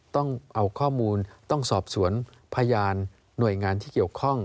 ต้องเอาข้อมูลต้องสอบสวนพยานหน่วยงานที่เกี่ยวข้อง